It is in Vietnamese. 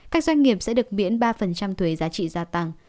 các doanh nghiệp sẽ được miễn ba thuế giá trị gia tăng